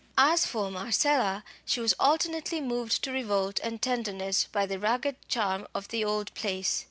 As for Marcella, she was alternately moved to revolt and tenderness by the ragged charm of the old place.